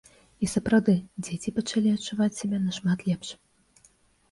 І сапраўды, дзеці пачалі адчуваць сябе нашмат лепш.